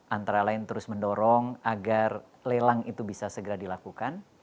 antara lain terus mendorong agar lelang itu bisa segera dilakukan